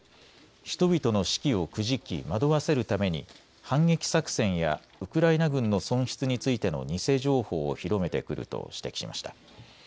人々の士気をくじき惑わせるために反撃作戦やウクライナ軍の損失についての偽情報を広めてくると指摘しました。